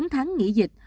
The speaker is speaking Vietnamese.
bốn tháng nghỉ dịch